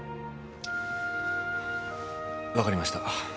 わかりました。